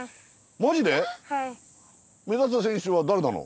マジで？